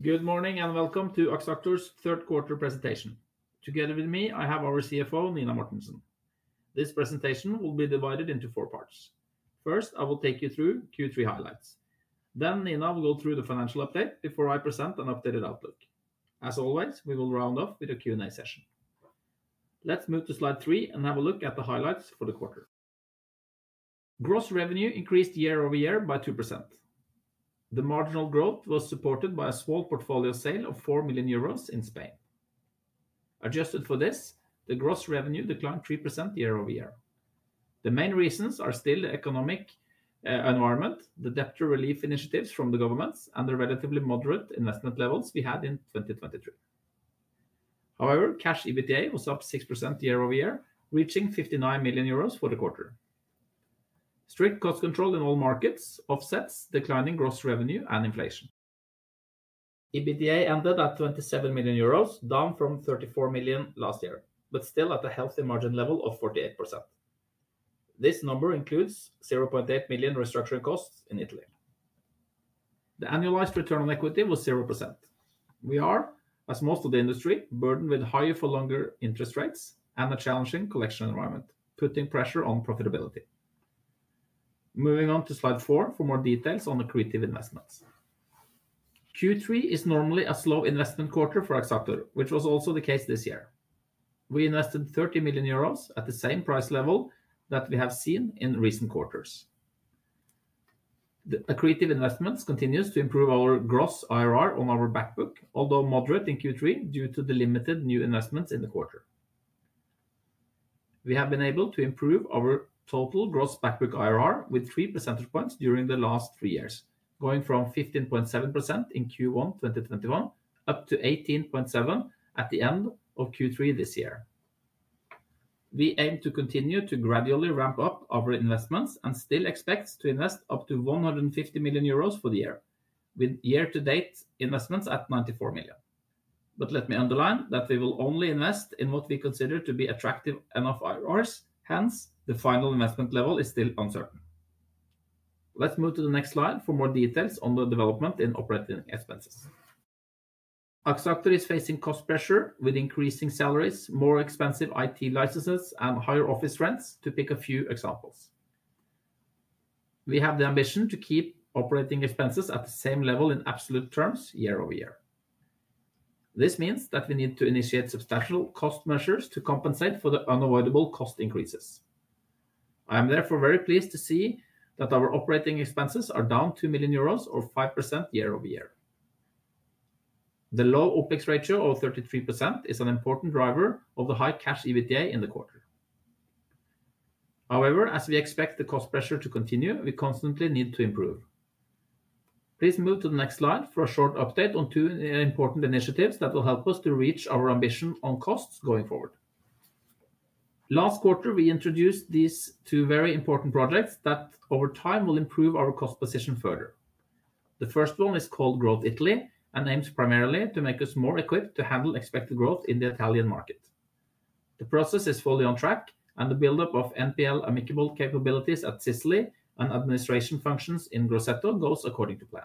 Good morning and welcome to Axactor's third quarter presentation. Together with me, I have our CFO, Nina Mortensen. This presentation will be divided into four parts. First, I will take you through Q3 highlights. Then, Nina will go through the financial update before I present an updated outlook. As always, we will round off with a Q&A session. Let's move to Slide 3 and have a look at the highlights for the quarter. Gross revenue increased year over year by 2%. The marginal growth was supported by a small portfolio sale of 4 million euros in Spain. Adjusted for this, the gross revenue declined 3% year over year. The main reasons are still the economic environment, the debtor relief initiatives from the governments, and the relatively moderate investment levels we had in 2023. However, Cash EBITDA was up 6% year over year, reaching 59 million euros for the quarter. Strict cost control in all markets offsets declining gross revenue and inflation. EBITDA ended at 27 million euros, down from 34 million last year, but still at a healthy margin level of 48%. This number includes 0.8 million restructuring costs in Italy. The annualized return on equity was 0%. We are, as most of the industry, burdened with higher-for-longer interest rates and a challenging collection environment, putting pressure on profitability. Moving on to Slide 4 for more details on accretive investments. Q3 is normally a slow investment quarter for Axactor, which was also the case this year. We invested 30 million euros at the same price level that we have seen in recent quarters. Accretive investments continue to improve our gross IRR on our backbook, although moderate in Q3 due to the limited new investments in the quarter. We have been able to improve our total gross backbook IRR with three percentage points during the last three years, going from 15.7% in Q1 2021 up to 18.7% at the end of Q3 this year. We aim to continue to gradually ramp up our investments and still expect to invest up to 150 million euros for the year, with year-to-date investments at 94 million. But let me underline that we will only invest in what we consider to be attractive enough IRRs. Hence, the final investment level is still uncertain. Let's move to the next slide for more details on the development in operating expenses. Axactor is facing cost pressure with increasing salaries, more expensive IT licenses, and higher office rents, to pick a few examples. We have the ambition to keep operating expenses at the same level in absolute terms year over year. This means that we need to initiate substantial cost measures to compensate for the unavoidable cost increases. I am therefore very pleased to see that our operating expenses are down 2 million euros or 5% year over year. The low OpEx ratio of 33% is an important driver of the high Cash EBITDA in the quarter. However, as we expect the cost pressure to continue, we constantly need to improve. Please move to the next slide for a short update on two important initiatives that will help us to reach our ambition on costs going forward. Last quarter, we introduced these two very important projects that, over time, will improve our cost position further. The first one is called Growth Italy and aims primarily to make us more equipped to handle expected growth in the Italian market. The process is fully on track, and the buildup of NPL-amicable capabilities at Sicily and administration functions in Grosseto goes according to plan.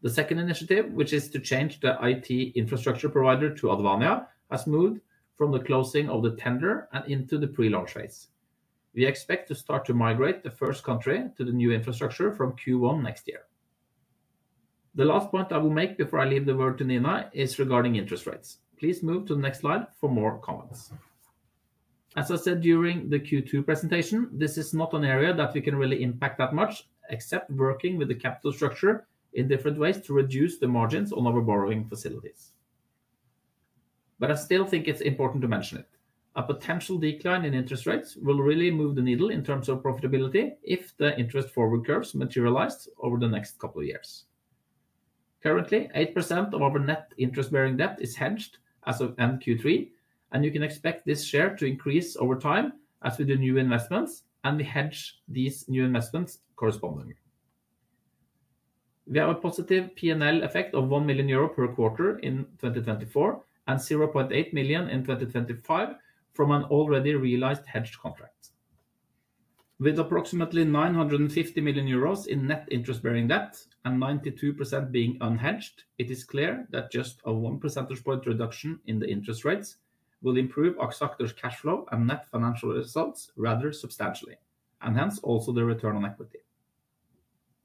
The second initiative, which is to change the IT infrastructure provider to Albania, has moved from the closing of the tender and into the pre-launch phase. We expect to start to migrate the first country to the new infrastructure from Q1 next year. The last point I will make before I leave the word to Nina is regarding interest rates. Please move to the next slide for more comments. As I said during the Q2 presentation, this is not an area that we can really impact that much, except working with the capital structure in different ways to reduce the margins on our borrowing facilities. But I still think it's important to mention it. A potential decline in interest rates will really move the needle in terms of profitability if the interest forward curves materialize over the next couple of years. Currently, 8% of our net interest-bearing debt is hedged as of end Q3, and you can expect this share to increase over time as we do new investments, and we hedge these new investments correspondingly. We have a positive P&L effect of 1 million euro per quarter in 2024 and 0.8 million in 2025 from an already realized hedged contract. With approximately 950 million euros in net interest-bearing debt and 92% being unhedged, it is clear that just a one percentage point reduction in the interest rates will improve Axactor's cash flow and net financial results rather substantially, and hence also the return on equity.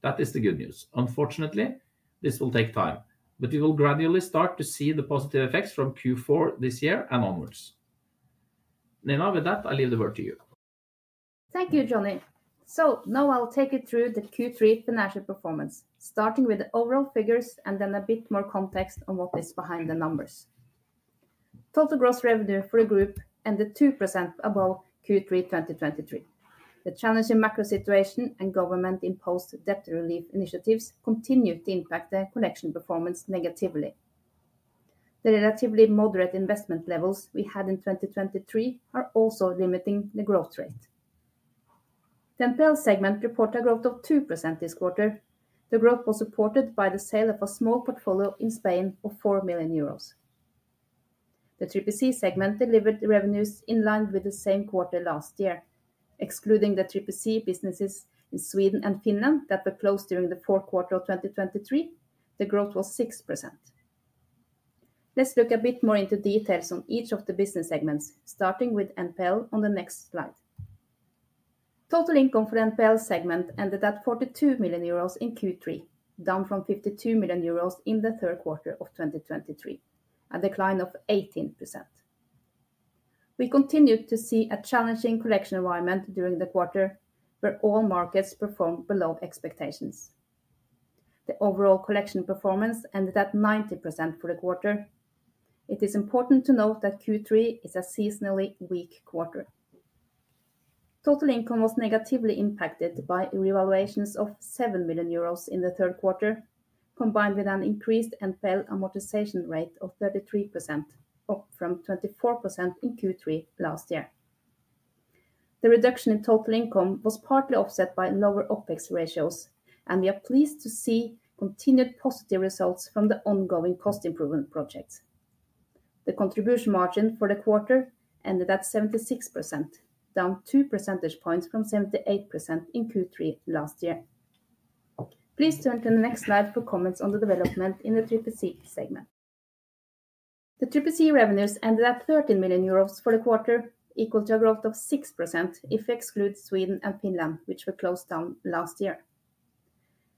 That is the good news. Unfortunately, this will take time, but we will gradually start to see the positive effects from Q4 this year and onwards. Nina, with that, I leave the word to you. Thank you, Johnny. So now I'll take you through the Q3 financial performance, starting with the overall figures and then a bit more context on what is behind the numbers. Total gross revenue for the group ended 2% above Q3 2023. The challenging macro situation and government-imposed debt relief initiatives continued to impact the collection performance negatively. The relatively moderate investment levels we had in 2023 are also limiting the growth rate. The NPL segment reported a growth of 2% this quarter. The growth was supported by the sale of a small portfolio in Spain of 4 million euros. The 3PC segment delivered revenues in line with the same quarter last year. Excluding the 3PC businesses in Sweden and Finland that were closed during the fourth quarter of 2023, the growth was 6%. Let's look a bit more into details on each of the business segments, starting with NPL on the next slide. Total income for the NPL segment ended at 42 million euros in Q3, down from 52 million euros in the third quarter of 2023, a decline of 18%. We continued to see a challenging collection environment during the quarter where all markets performed below expectations. The overall collection performance ended at 90% for the quarter. It is important to note that Q3 is a seasonally weak quarter. Total income was negatively impacted by revaluations of 7 million euros in the third quarter, combined with an increased NPL amortization rate of 33%, up from 24% in Q3 last year. The reduction in total income was partly offset by lower OpEx ratios, and we are pleased to see continued positive results from the ongoing cost improvement projects. The contribution margin for the quarter ended at 76%, down two percentage points from 78% in Q3 last year. Please turn to the next slide for comments on the development in the 3PC segment. The 3PC revenues ended at 13 million euros for the quarter, equal to a growth of 6% if we exclude Sweden and Finland, which were closed down last year.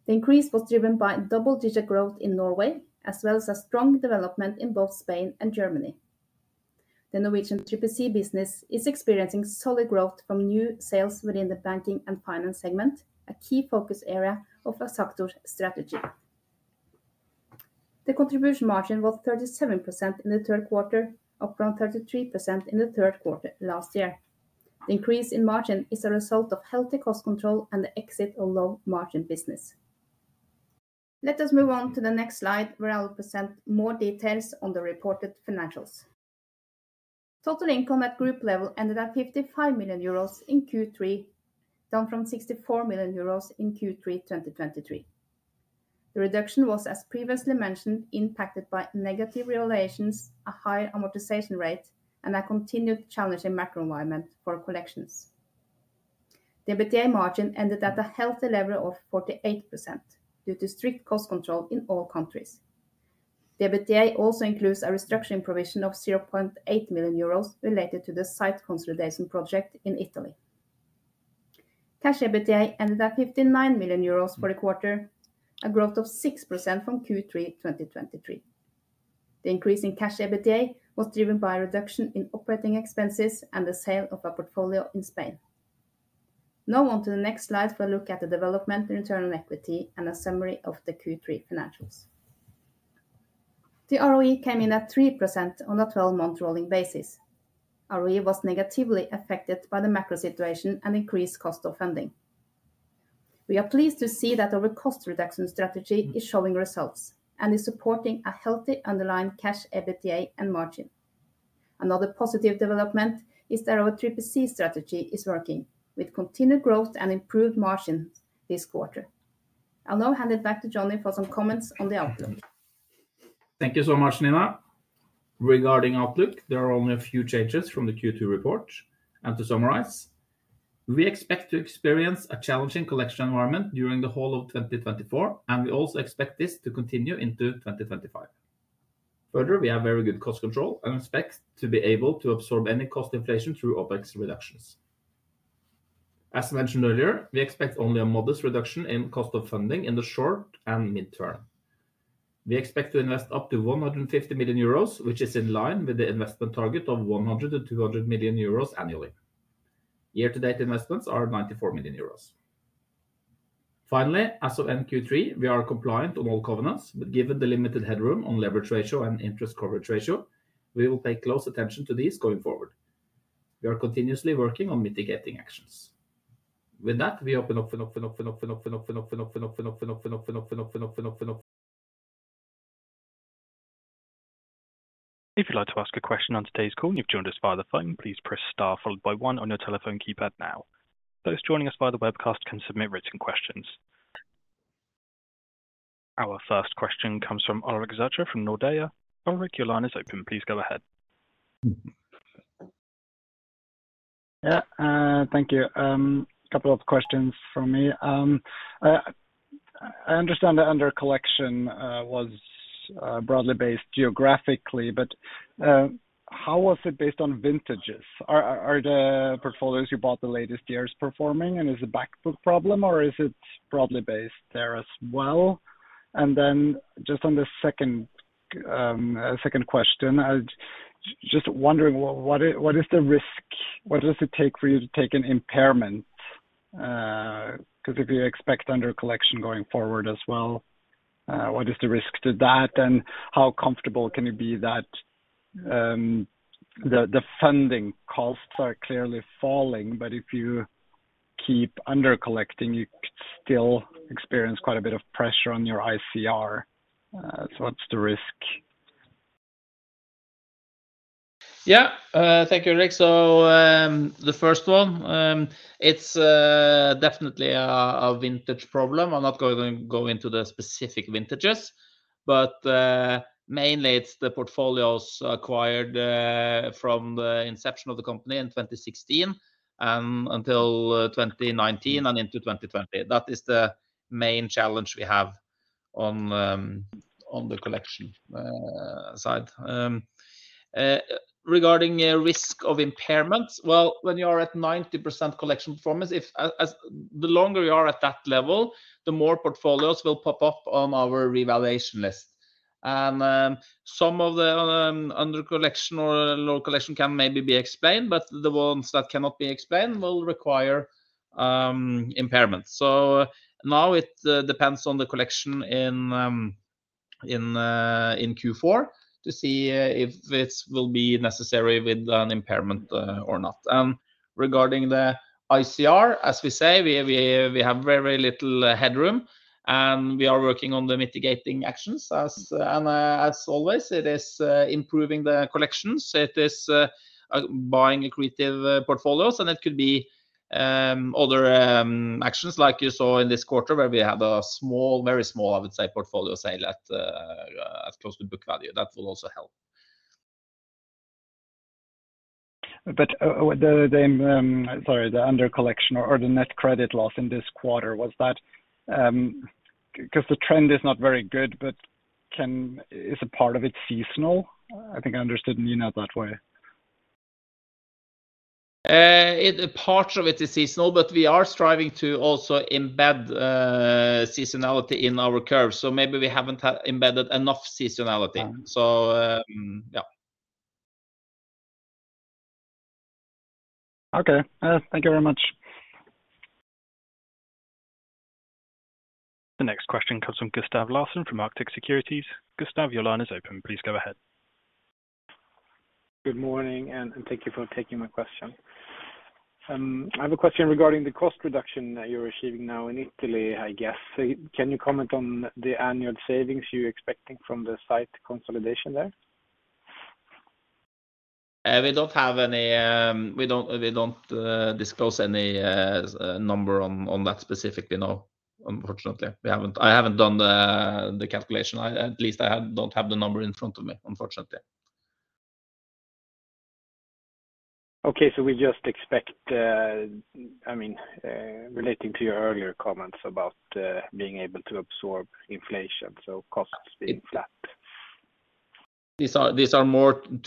The increase was driven by double-digit growth in Norway, as well as a strong development in both Spain and Germany. The Norwegian 3PC business is experiencing solid growth from new sales within the banking and finance segment, a key focus area of Axactor's strategy. The contribution margin was 37% in the third quarter, up from 33% in the third quarter last year. The increase in margin is a result of healthy cost control and the exit of low-margin business. Let us move on to the next slide, where I will present more details on the reported financials. Total income at group level ended at 55 million euros in Q3, down from 64 million euros in Q3 2023. The reduction was, as previously mentioned, impacted by negative revaluations, a higher amortization rate, and a continued challenging macro environment for collections. The EBITDA margin ended at a healthy level of 48% due to strict cost control in all countries. The EBITDA also includes a restructuring provision of 0.8 million euros related to the site consolidation project in Italy. Cash EBITDA ended at 59 million euros for the quarter, a growth of 6% from Q3 2023. The increase in Cash EBITDA was driven by a reduction in operating expenses and the sale of a portfolio in Spain. Now on to the next slide for a look at the development in return on equity and a summary of the Q3 financials. The ROE came in at 3% on a 12-month rolling basis. ROE was negatively affected by the macro situation and increased cost of funding. We are pleased to see that our cost reduction strategy is showing results and is supporting a healthy underlying Cash EBITDA and margin. Another positive development is that our 3PC strategy is working, with continued growth and improved margin this quarter. I'll now hand it back to Johnny for some comments on the outlook. Thank you so much, Nina. Regarding outlook, there are only a few changes from the Q2 report. And to summarize, we expect to experience a challenging collection environment during the whole of 2024, and we also expect this to continue into 2025. Further, we have very good cost control and expect to be able to absorb any cost inflation through OpEx reductions. As mentioned earlier, we expect only a modest reduction in cost of funding in the short and midterm. We expect to invest up to 150 million euros, which is in line with the investment target of 100 million-200 million euros annually. Year-to-date investments are 94 million euros. Finally, as of end Q3, we are compliant on all covenants, but given the limited headroom on leverage ratio and interest coverage ratio, we will pay close attention to these going forward. We are continuously working on mitigating actions. With that, we open up for an opening of the. If you'd like to ask a question on today's call and you've joined us via the phone, please press star followed by one on your telephone keypad now. Those joining us via the webcast can submit written questions. Our first question comes from Ulrike [Decoene], Nordea. Ulrike, your line is open. Please go ahead. Yeah, thank you. A couple of questions for me. I understand that under collection was broadly based geographically, but how was it based on vintages? Are the portfolios you bought the latest years performing, and is it a backbook problem, or is it broadly based there as well? And then just on the second question, just wondering what is the risk? What does it take for you to take an impairment? Because if you expect under collection going forward as well, what is the risk to that? And how comfortable can you be that the funding costs are clearly falling, but if you keep under collecting, you could still experience quite a bit of pressure on your ICR. So what's the risk? Yeah, thank you, Ulrike. So the first one, it's definitely a vintage problem. I'm not going to go into the specific vintages, but mainly it's the portfolios acquired from the inception of the company in 2016 and until 2019 and into 2020. That is the main challenge we have on the collection side. Regarding risk of impairments, well, when you are at 90% collection performance, the longer you are at that level, the more portfolios will pop up on our revaluation list, and some of the under collection or low collection can maybe be explained, but the ones that cannot be explained will require impairment, so now it depends on the collection in Q4 to see if it will be necessary with an impairment or not, and regarding the ICR, as we say, we have very, very little headroom, and we are working on the mitigating actions. As always, it is improving the collections. It is buying accretive portfolios, and it could be other actions like you saw in this quarter where we had a small, very small, I would say, portfolio sale at close to book value. That will also help. But the under collection or the net credit loss in this quarter, was that because the trend is not very good, but is a part of it seasonal? I think I understood Nina that way. Part of it is seasonal, but we are striving to also embed seasonality in our curve. So maybe we haven't embedded enough seasonality. So yeah. Okay. Thank you very much. The next question comes from Gustav Larsson from Arctic Securities. Gustav, your line is open. Please go ahead. Good morning, and thank you for taking my question. I have a question regarding the cost reduction that you're achieving now in Italy, I guess. Can you comment on the annual savings you're expecting from the site consolidation there? We don't have any, we don't disclose any number on that specifically now, unfortunately. I haven't done the calculation. At least I don't have the number in front of me, unfortunately. Okay, so we just expect, I mean, relating to your earlier comments about being able to absorb inflation, so costs being flat. These are two more of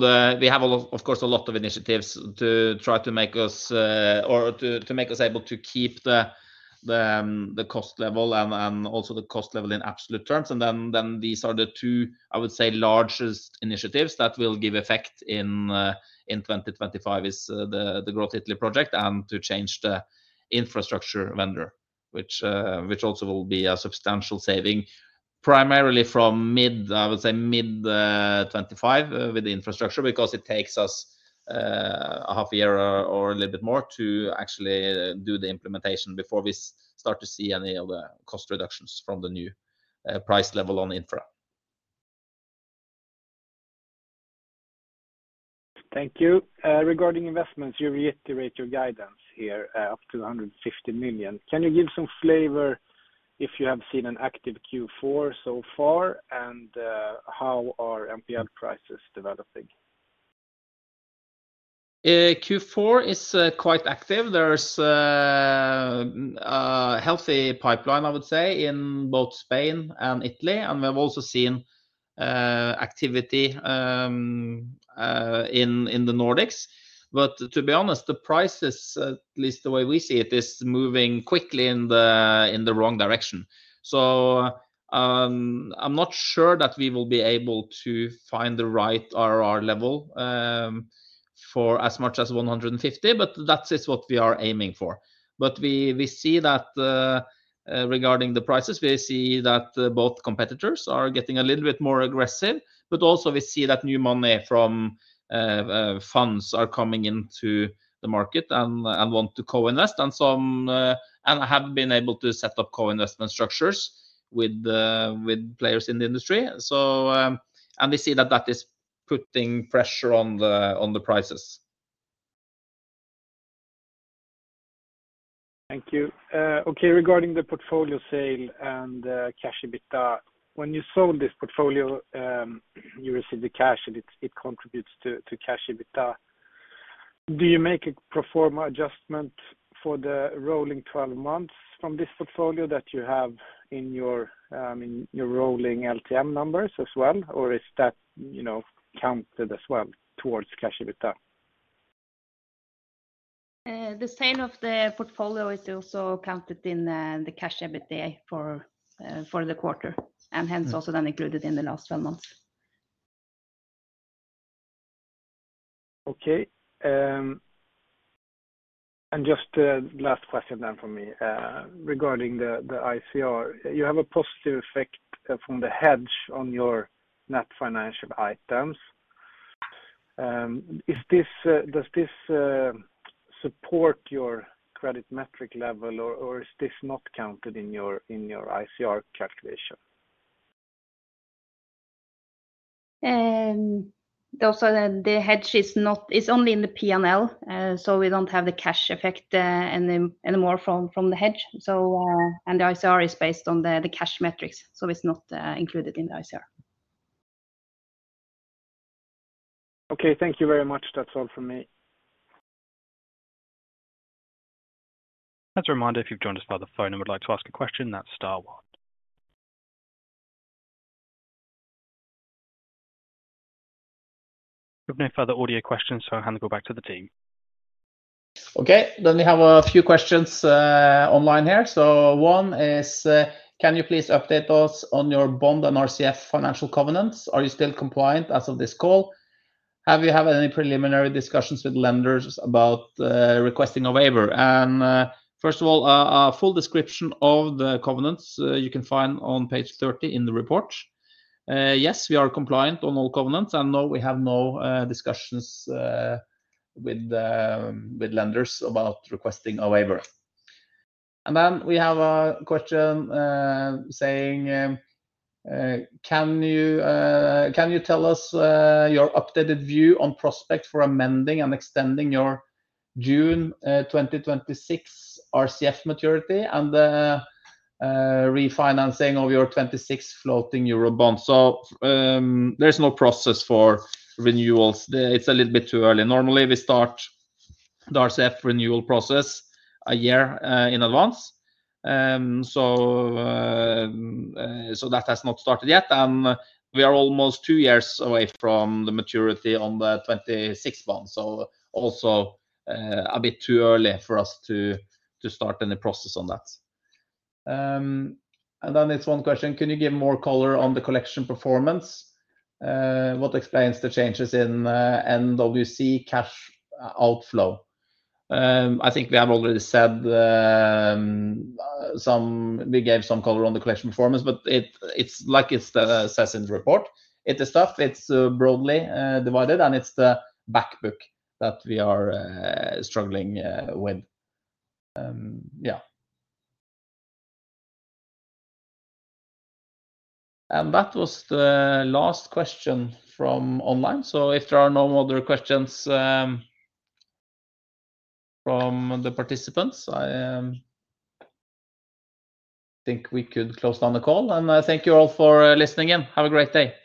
the. We have a lot, of course, a lot of initiatives to try to make us able to keep the cost level and also the cost level in absolute terms. Then these are the two, I would say, largest initiatives that will give effect in 2025: the Growth Italy project and to change the infrastructure vendor, which also will be a substantial saving primarily from mid, I would say mid-2025 with the infrastructure because it takes us a half a year or a little bit more to actually do the implementation before we start to see any of the cost reductions from the new price level on infra. Thank you. Regarding investments, you reiterate your guidance here up to 150 million. Can you give some flavor if you have seen an active Q4 so far, and how are NPL prices developing? Q4 is quite active. There's a healthy pipeline, I would say, in both Spain and Italy. And we have also seen activity in the Nordics. But to be honest, the prices, at least the way we see it, is moving quickly in the wrong direction. So I'm not sure that we will be able to find the right IRR level for as much as 150, but that is what we are aiming for. But we see that regarding the prices, we see that both competitors are getting a little bit more aggressive, but also we see that new money from funds are coming into the market and want to co-invest and have been able to set up co-investment structures with players in the industry. And we see that that is putting pressure on the prices. Thank you. Okay, regarding the portfolio sale and Cash EBITDA, when you sold this portfolio, you received the cash, and it contributes to Cash EBITDA. Do you make a pro forma adjustment for the rolling 12 months from this portfolio that you have in your rolling LTM numbers as well, or is that counted as well towards Cash EBITDA? The sale of the portfolio is also counted in the Cash EBITDA for the quarter, and hence also then included in the last 12 months. Okay. And just the last question then for me. Regarding the ICR, you have a positive effect from the hedge on your net financial items. Does this support your credit metric level, or is this not counted in your ICR calculation? Also, the hedge is only in the P&L, so we don't have the cash effect anymore from the hedge, and the ICR is based on the cash metrics, so it's not included in the ICR. Okay, thank you very much. That's all from me. Thanks for reminding. If you've joined us by the phone and would like to ask a question, that's star one. We have no further audio questions, so I'll hand the call back to the team. Okay, then we have a few questions online here. So one is, can you please update us on your bond and RCF financial covenants? Are you still compliant as of this call? Have you had any preliminary discussions with lenders about requesting a waiver? And first of all, a full description of the covenants you can find on page 30 in the report. Yes, we are compliant on all covenants, and no, we have no discussions with lenders about requesting a waiver. And then we have a question saying, can you tell us your updated view on prospect for amending and extending your June 2026 RCF maturity and refinancing of your 26 floating euro bonds? So there is no process for renewals. It's a little bit too early. Normally, we start the RCF renewal process a year in advance. So that has not started yet, and we are almost two years away from the maturity on the 26 bonds. So also a bit too early for us to start any process on that. And then it's one question, can you give more color on the collection performance? What explains the changes in NWC cash outflow? I think we have already said some; we gave some color on the collection performance, but it's like it's the Sicilian report. It is tough, it's broadly divided, and it's the backbook that we are struggling with. Yeah. And that was the last question from online. So if there are no other questions from the participants, I think we could close down the call. And I thank you all for listening. Have a great day.